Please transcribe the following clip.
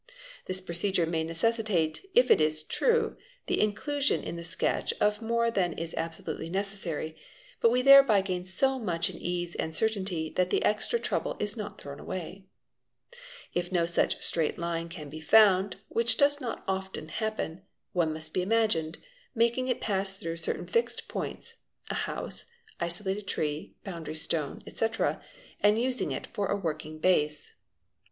This pro ; cedure may necessitate, it is true, the inclusion in the sketch of more than SSCA (MRP LAREN AH FB A ATI! TTL MAES AF PRLS GS : is absolutely necessary, but we thereby gain so much in ease and certainty _ that the extra trouble is not thrown away. If no such straight line can ~ be found—which does not often happen—one must be imagined, making it 'pass through certain fixed points (a house, isolated tree, boundary stone, _ €tc.) and using it for a working base.